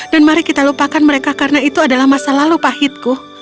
dan mari kita lupakan mereka karena itu adalah masa lalu pahitku